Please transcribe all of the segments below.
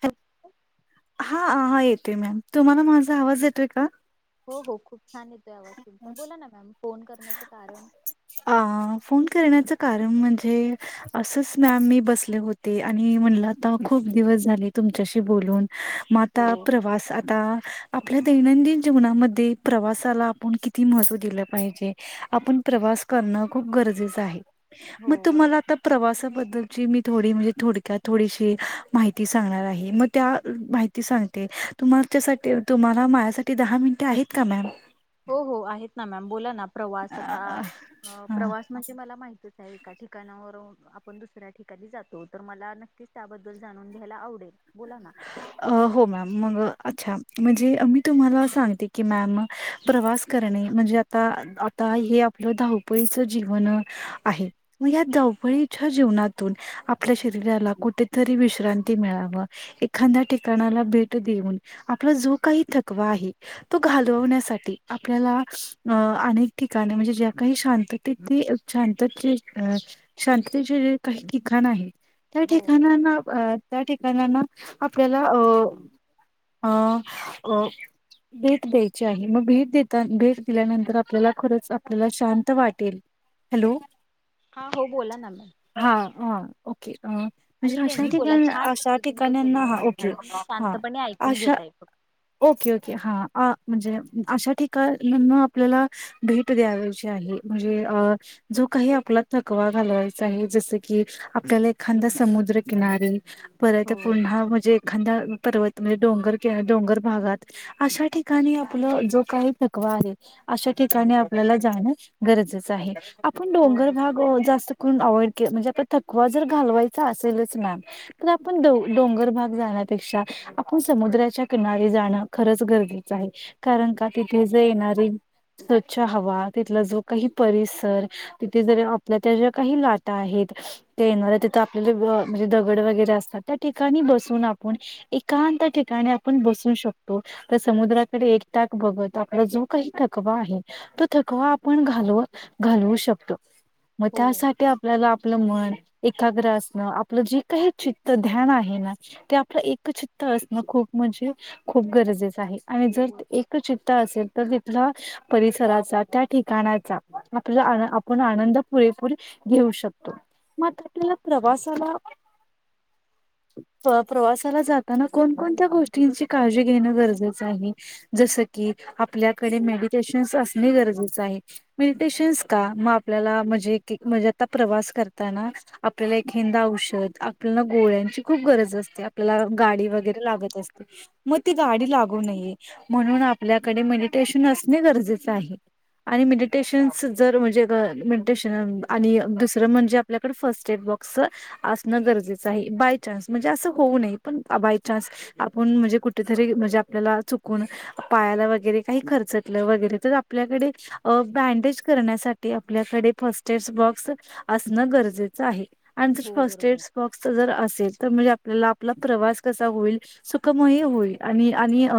[unintelligible] हाा येतोय मॅम तुम्हाला माझा आवाज येतोय का? हो हो खूप छान येतो या वस्तूंचा बोला ना मॅम फोन करण्याचे कारण अ फोन कारण म्हणजे अस मॅम मी बसले होते आणि म्हणल खूप दिवस झा तुमच्याशी बोलून मग आता हो प्रवास आता आपल्या दैनंदिन जीवनामध्ये प्रवासाला आपण किती महत्त्व दिलं पाहिजे आपण प्रवास करणं खूप गरजेचं आहे. हो मग तुम्हाला बरोबर आता प्रवासा बद्दलची मी थोडी म्हणजे थोडक्यात थोडीशी माहिती सांगणार आहे मग त्या माहिती सां तुम तुम्हाला माझ्यासाठी दहा मिनिटे आहेत का मॅम हो हो आहेत ना मॅम बोला ना प्रवास आता हा प्रवास म्हणजे मला माहती एका ठिकाणावर आपण दुसऱ्या ठिकाणी जातो तर मला नक्कीच त्याबद्दल जाणून घ्यायला आवडेल. बोला ना [unintelligible] अ हो मॅम मग अच्छा. म्हणजे मी तुम्हाला सांगते की मॅम प्रवास करणे म्हणजे आता आता हे. आपलं धावपळीच जीवन आहे. मग या हो दवपळीच्या जीवनातून आपल्या शरीराला कुठेतरी विश्रांती मिळाव. एखाद्या ठिकाणाला भेट देऊन आपला जो काही थकवा आहे तो घालवण्यासाठी आपल्याला अ अनेक ठिकाणी म्हणजे ज्या काही शांतते शांत. अ शांततेचे जे काही ठिकाण आहे त्या हो ठिकाणाना त्या ठिकाणाना आपल्याला अ अ अ भेट द्यायची आहे मग भेट देता भेट दिल्यानंतर आपल्याला खरंच आपल्याला शांत वाटेल. हॅलो. हा हो बोला ना म ह ओके म्हणजे बोला छान अशा वाटते ठिकाणी तुमचं बोलणं ओा म्हणून मी शांतपणे ऐकून घेतय फक्त ओके ओके हा. अ म्हणजे अशा ठिकाणी आपल्याला भेट द्यावाची आहे म्हणजे अ जो काही आपला थकवा घालवायचा आहे जस की आपल्याला एखादा समुद्रकिनारीे परत हो पुन्हा म्हणजे खांदा पर्वत म्हणजे डोंगर डोंगर भागात अशा ठिकाणी आपलं जो काही प्रकार अश ठिकाणी आपल्याला जाण गरजेचं आहे. आपण हो डोंगर बरोबर भाग जास्त. अवइड म्हणजे थकवा जर घावायचा असेलच मॅम तर आपण डोंगर भाग जाण्यापेक्षा आपण समुद्राच्या किनारी जाणं खरंच गरजेचं आहे. कारण का तिथेच येणारी. स्वच्छ हवा तिथला जो काही परिसर तिथे जर आपल्या त्या ज्या काही लाट आहेत. येणार तिथ आपल्या म्हणजे दगड वगैरे असतात. त्या ठिकाणी बसून आपण एकांत ठिकाणी आपण बसू शकतो तर समुद्राकडे त्यात बघत आपला जो काही थकवा आहे तो थकवा आपण घालव घालवू शकतो. मग हो त्यासाठी आपल्याला आपलं मन एकाग्र असणं आपलं जे काही चित. ध्यान आहे ना ते आपलं एकचित्त असणं खूप म्हणजे खूप गरजेचं. आणि हो जर बरोबर एक चित्ता असेल तर. आप परिसराचा त्या ठिकाणाचा आपला आपण आनंद पुरेपूर घे. घेऊ शकतो मात्र आपल्याला बरोबर. प्रवासाला. प्रवासाला जाताना कोणकोणत्या गोष्टींची काळजी घेणं गरजेचं आहे जस. आपल्याकडे मेडटेशन असने गरजे आहे मेडटेशन आपल्या हम म्हणजे की म्हणजे आता प्रवास करताना आपले [inaudible] आपल्याला गोळ्यांची खूप गरज असते आपल्याला हो गाडी बरोबर वगैरे लागत असते मग ती गाडी लागू नये म्हणून आपल्याकडे म्हणजे [inaudible] नसलेले गरजेच आहे आणि मेडिटेशन्स जर म्हणजे घर मेडिटेशन आणि दुसरं म्हणजे आपल्याकड फर्स्ट स्टेप बाॅक्स असणं गरजेचं [inaudible] बाई चान्स म्हणजे अस होऊ नये पण बाई चान्स आपण म्हणजे कुठे तरी म्हणजे आपल्याला कोण पायाला वगैरे काही खरचटल वगैरे आपल्याकडे अ बॅडेज करण्यासाठी की आपल्याकडे फस्टेज बॉक्स असणं गरजेचं आहे [inaudible] हो बरोबर फस्टेज तर असेल तर म्हणजे आपल्याला आपला प्रवास कसा होईल सुखमय होईल आणि आणि अ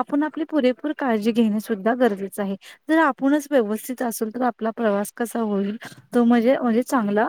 आपण आपली पुरेपूर काळजी घेणे सुद्धा गरजेचं आहे जर आपूनच व्यवस्थित असेल तर आपला प्रवास प्रवास कसा होईल तो म्हणजे म्हणजे चांगला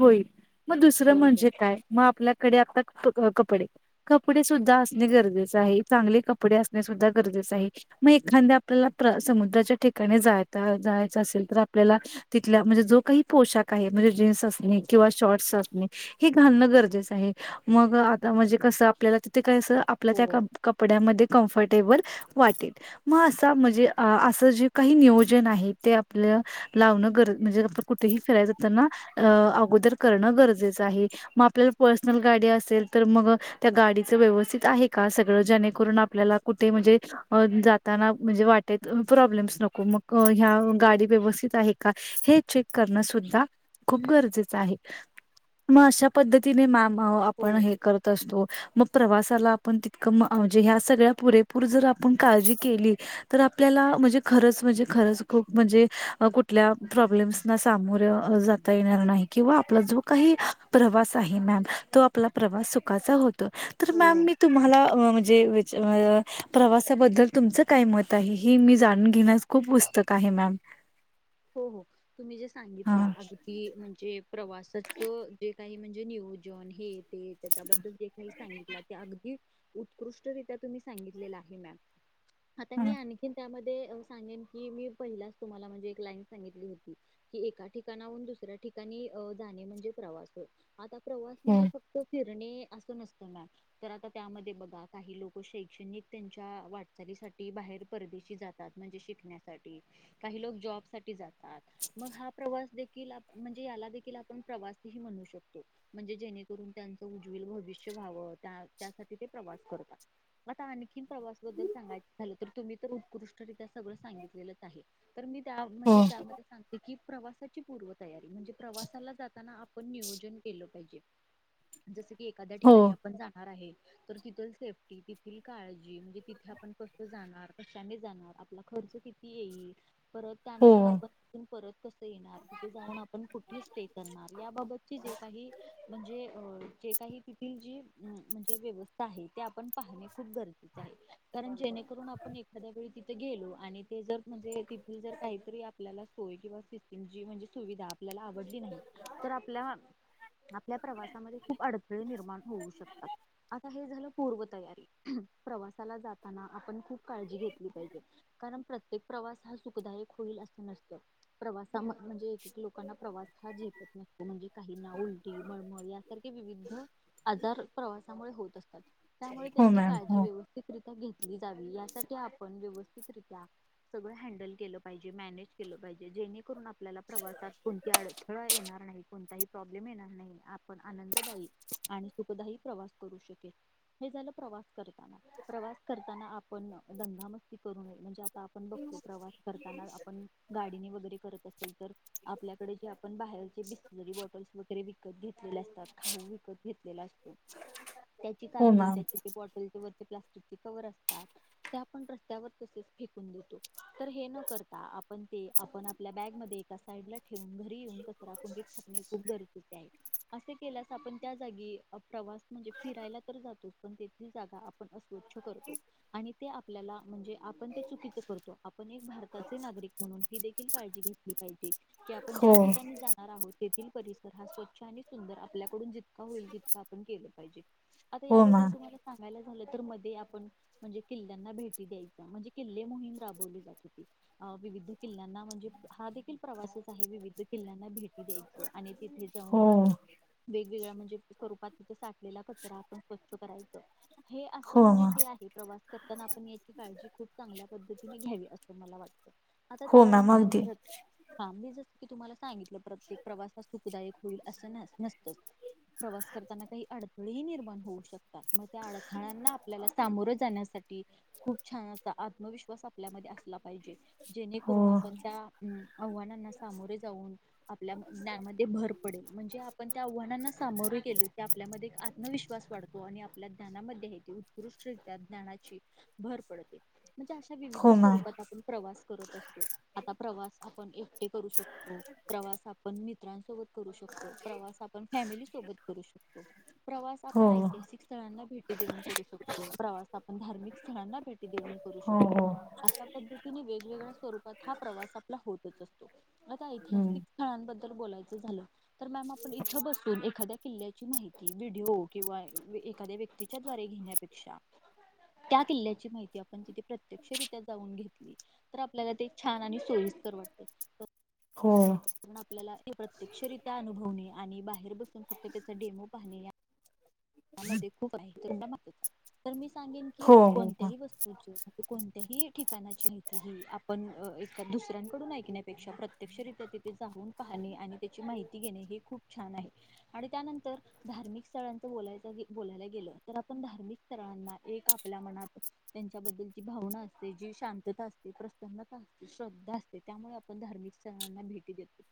होईल मग दुसर बरोबर म्हणजे काय मग आपल्याकडे आता - कपडे कपडे सुद्धा असणे गरजेच आहे चांगले कपडे असणे सुध्दा जर गरजेच आहे मग एखांद्या आपल्याला प्र समुद्राच्या ठिकाणी जाता जायच असेल तर आपल्या तिथल्या म्हणजे जो काही पोशाख आहे म्हणजे जीन्स अस किंवा शॉर्टस असणे हि घालणं गरजेचं आहे मग आता म्हणजे कसं आपल्याला तिथे [inaudible] आपल्या हो त्या - कपड्यामध्ये कंफर्टेबल वाटे मग अस म्हणजे अस जी काही नियोजन आहे ते आपल्या लावण [inaudible] म्हणजे [inaudible] कुठेही फिरताना अगोदर करणं गरजेचं आहे मग आपल्याला पर्सनल गाडी असेल तर मग त्या गाडीच व्यवस्थित आहे का सगळं जेणे करून आपल्याला कुठे म्हणजे जाताना म्हणजे वाटेत प्रॉब्लेम्स नको मग ह्या गाडी व्यवस्थित का हे चेक करण सुद्धा खूप गरजेच आहे मग अशा पद्धतीने मामा हो आपण हे करत असतो मग प्रवासाला आपण तितकं - म्हणजे ह्या सगळ्या पुरेपूर जर आपण काळजी केली तर आपल्या [inaudible] खरचं म्हणजे खरचं खूप म्हणजे कुठल्या प्रॉब्लेम्स ना सामोरे जाता येणार नाही किंवा आपला जो काही प्रवास आहे मॅम तो आपला प्रवास सुखाचा होतो तर हो मॅम मी तुम्हाला अ म्हणजे [inaudible] प्रवासाबद्दल तुमचं काय मत आहे ही मी जाणून घेण्यास खूप उस्तुक आहे मॅम हो हो तुम्ही जे हा सांगितला अगदी म्हणजे प्रवासाच काही म्हणजे नियोजन हे ते त्याच्याबद्दल जे काही सांगितलात अग उत्कृष्ट्यरित्या तुम्ही सांगितलेला आहे मॅम आता मी आणखीन त्यामध्ये सांगेन की मी पहिलाच तुम्हाला म्हणजे प्लाॅन सांगितली होती एका ठिकाणाहून दुसऱ्या ठिकाणी जाणे म्हणजे प्रवास आता प्रवास म्हणजे हा. फक्त फिर आणि अस नसत मॅम जर आता त्यामध्ये बघा काही लोक शैक्षणिक त्यांच्या वाटचालीस [inaudible] बाहेर परदेशी जातात म्हणजे शिकण्यासाठी काही लोक जॉब [inaudible] जातात मग हा प्रवास [inaudible] म्हणजे याला देखील आपण प्रवास म्हणू शकतो म्हणजे जेणेकरून त्यांचं उज्वैल भविष्य [inaudible] त्या त्यासाठी ते प्रवास करतात आता आणखीन प्रवास बद्दल सांगायच झाल तर तुम्ही तर उत्कृष्टरित्या सगळं सांगितलेलंच आहे तर मी त्या हो म्हणजे त्यामध्ये सांगते की प्रवासाची पूर्व तयारी म्हणजे प्रवासाला जाताना आपण नियोजन केलं पाहिजे जस की एखाद्या हो ठिकाणी आपण जाणार आहे तर तिथ सेफ्टी तिथिल काळजी [inaudible] तिथ आपण कस जाणार कशाने जाणार आपला खर्च [inaudible] किती येईल परत हो त्यानंतर हो आपण तिथून परत कस येणार तिथे जाऊन आपण कुठे स्टे करणार याबाबतची जे काही म्हणजे अ जे काही [inaudible] जी म्हणजे व्यवस्था आहे ते आपण पाहणे खूप गरजेच आहे कारण जेणे [inaudible] आपण एखाद्या वेळी तिथ गेलो आणि ते जर म्हणजे तिथे जर काहीतरी आपल्याला सोय किंवा सिस्टमची म्हणजे सुविधा आपल्याला आवडली नाही तर आपल्या - आपल्या प्रवासामध्ये खूप अडथळे निर्माण होऊ शकतात आता हे झालं पूर्वतयारी प्रवासाला जाताना आपण खूप काळजी घेतली, पाहिजे कारण प्रत्येक प्रवास हा सुखदायक. होईल असं नसत प्रवास. म्हणजे एकक लोकांना प्रवास हा झेपत नसतो म्हणजे काहीना उलटी मळमळ यासारखे विविध व आजार प्रवासामुळे होत असतात त्यामुळे हो त्यांची मॅम काळजी हो व्यवस्थित घेतली जावी यासाठी आपण व्यवस्थितरित्या सगळ हँडल केलं. पाहिजे मॅनेज केलं पाहिजे जेणेकरून आपल्याला प्रवासात कोणती अडथळा येणार नाही. प्रॉब्लेम येणार नाही आपण आनंददायी आणि सुखदायी प्रवास करु शकेल हे झालं. प्रवास करता प्रवास करताना आपण दंगा मस्ती करू नये म्हणजे. आपण बघतो प्रवास. करताना आपण गाडीने वगैरे करत असेल तर आपल्याकडे जे आपण बाहेरचे बिसलरी बॉटल वगैरे विकत घेतलेले असतात खाऊ विकत घेतलेला असतो. त्याची हो कागद मॅम त्याचे ते बॉटल. किंवा प्लास्टिकचे कव्हर असतात आपण रस्त्यावर तसेच फेकून देतो. तर हे न करता आपण ते आपण आपल्या बॅगमध्ये एका साईडला ठेवून घरी येऊन कचराकुंडी टाकने खूप गरजेचं [inaudible] असे केल्यास आपण त्या जागी प्रवास म्हणजे फिरायला तर जातो पण तेथली जागा आपण स्वच्छ करतो आणि ते आपल्याला म्हणजे आपण ते चुकीच करतो. आपण भारताचे नागरिक म्हणून ही देखील काळजी घेतली पाहिजे की आपण हो ज्या ठिकाणी जाणार आहोत ते. परिसर हा स्वच्छ आणि सुंदर आपल्याकडून जितका होईल तितका आपण केलं पाहिजे. आता हो याबद्दल मॅम तुम्हाला सांगायलाच. तर मध्ये आपण म्हणजे किल्ल्यांना भेटी द्याय म्हणजे किल्ले मोहीम राबवली. विविध किल्ल्यां म्हणजे हा देखील प्रवासच आहे विविध किल्ल्यां भेटी द्यायच आणि तिथे जाऊन हो वेगवेगळ म्हणजे स्वरुपात तिथ साठलेल्या कचरा आपण स्वच्छ करायचा. हे असं हो म्हणजे मॅम जे आहे प्रवास करताना आपण याची काळजी खूप चांगल्या पद्धतीने घ्यावी असं मला वाटतं. आता हो मॅम त्यानंतर अगदी प्रत्येक काम की तुम्हाला सांगितलं प्रत्येक प्रवास हा सुखदायक होईल असं न नसत. प्रवास करताना काही अडथळेही निर्माण होऊ शकतात मग त्या अडथळ्यांना आपल्याला सामोरं जाण्यासाठी खूप छान अस आत्मविश्वास आपल्यामध्ये अस असलं पाहिजे हो जेणेकरून आपण त्या आव्हानांना सामोरे जाऊन. आपल्या ज्ञानमध्ये भर पडेल म्हणजे आपण त्या आव्हानांना सामोरे केल की आपल्यामध्ये आत्मविश्वास वाढतो आणि आपल्या ज्ञनामध्ये आहे ते उत्कृष्टरित्या ज्ञानाची भर पडते. म्हणज अशा विविध हो मॅम स्वरूप. प्रवास करत असतो, आता प्रवास आपण एकटे करू शकतो, प्रवास आपण मी मित्रांसोबत, करू शकतो प्रवास आपण, फॅमिली सोबत करू शकतो प्रवास हो आपण ऐतिहासिक स्थळांना भेटी. देऊन करू शकतो, प्रवास आपण धार्मिक स्थळांना भेटी देऊन करू हो शकतो. हो अशा वेगवेगळ्या स्वरूपात हा प्रवास आपला होत, असतो आ हम्म ऐतिहासिक स्थळबद्ल बोलायचं झालं तर मॅम, आपण इथं बसून एकद्या किल्ल्याची माहिती व्हिडिओ किंवा एखाद्या व्यक्तीच्या द्वारे घेण्यापेक्षा, त्या किल्ल्याची माहिती आपण तिथे प्रत्यक्षरित्या, जाऊन घेतली तर, आपल्याला ते छान आणि सोईस्कर वाटे. हो म्हणून आपल्याला, प्रत्यक्षरित्या अनुभवणे, आणि बाहेर बसून फक्त त्याचा डेमो पाहणे. यामध्ये खूप आहे, तर मी सांगेन की हो हो मॅम कोणत्याही वस्तूची कोणत्याही ठिकाणाची माहिती ही, आपण एका दुसऱ्यांकडून ऐकण्यापेक्षा प्रत्यक्षरित्या, जऊन पाहणे आणि, त्याची माहिती घेणे हे खूप छान आहे, आणि त्यानंतर धार्मिक स्थळांच बोलायचं, बोलायला गेलं तर आपण धार्मिक, स्ळांना एक आपल्या मनात त्यांच्याबद्दलची भावना असते. जी शांतता, असते प्रसन्नता, असते श्रद्धा, असते त्यामुळे आपण धार्मिक स्थळांना भेटी देतो.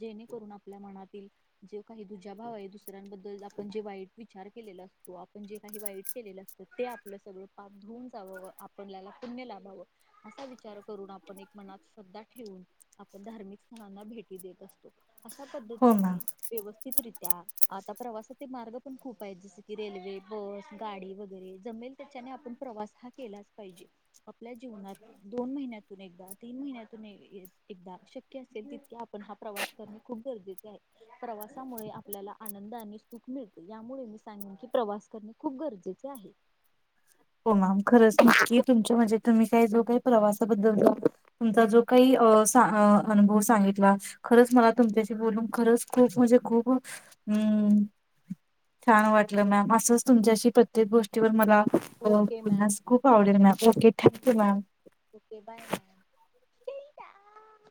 जेणेकरून आपल्या मनातील, जे काही दुजा भाव आहे दुसऱ्यांबद्दल आपण जे वाईट, विचार केलेला असतो, आपण जे काही वाईट केलेलं असतं ते आपलं सगळं पाप धुऊून जावं आपल्याला पुण्य लाभाव अस विचार करून आप एक मनात श्रद्धा ठेवून, आपण धार्मिक स्थळना भेट, देत असतो अश हो मॅम पद्धतीने व्यवथितरित्या आता प्रवासाचे मार्ग, पण खूप आहेत जस की रेल्वे बस गाडी, वगैरे जमेल त्याच्याने आपण प्रवास हा केलाच पाहिजे. आपल्या जीवनात दोन, महिन्यातून एकदा तीन, महिन्यातून एकदा शक्य असेल तित क आपण हा प्रवास करणे खूप गरजेचे आहे, प्रवासामुळे आपल्याला आनंद आणि सुख मिळत. यामुळे मी सांगेन की, प्रवास करणे खूप गरजेचे आहे. हो मॅम खरंच नक्की तुमच्या म्हणजे, तुम्ही काही जो काही प्रवासाबद्दल तुमचा जो काही, अनुभव सांगितला खरंच, मला तुमच्याशी बोलून खरच खूप म्हणजे खूप, हम्म छान वाटलं मॅम असंच, तुमच्याशी प्रत्येक गोष्टीवर मला, पुन्हा, ओके मॅम बोलण्यास खुप आवडेल, thank you ma'am. Okay bye ma'am,